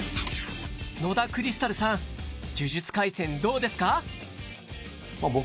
野田クリスタルさん「呪術廻戦」どうですか？